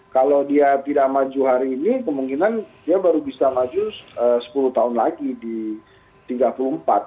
kalau dia tidak maju hari ini kemungkinan dia baru bisa maju sepuluh tahun lagi di dua ribu dua puluh empat gitu ya